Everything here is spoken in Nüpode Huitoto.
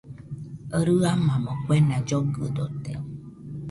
Rɨamamo kuena llogɨdote